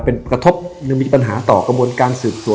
เป็นกระทบหรือมีปัญหาต่อกระบวนการสืบสวน